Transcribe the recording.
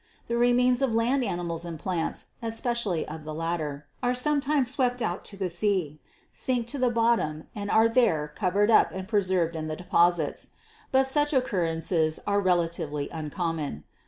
The remains of land animals and plants, especially of the latter, are sometimes swept out to sea, sink to the bottom and are there covered up and pre served in the deposits; but such occurrences are relatively uncommon.